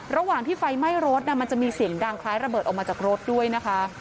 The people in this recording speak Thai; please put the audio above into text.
ระหว่างที่ไฟไหม้รถมันจะมีเสียงดังคล้ายระเบิดออกมาจากรถด้วยนะคะ